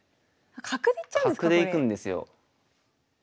角でいくんですよ。